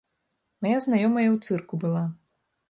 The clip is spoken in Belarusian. Мая знаёмая ў цырку была.